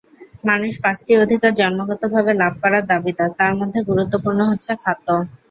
মানুষ পাঁচটি অধিকার জন্মগতভাবে লাভ করার দাবিদার, তার মধ্যে গুরুত্বপূর্ণ হচ্ছে খাদ্য।